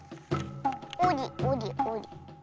おりおりおり。